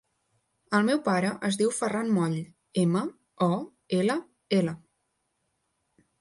El meu pare es diu Ferran Moll: ema, o, ela, ela.